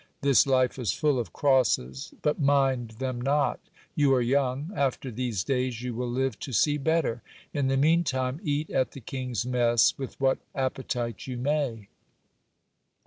This life is full of crosses, but mind them not. You are young ; after these days, you will live to see better. In the mean time, eat at the king's mess, with what appetite you may.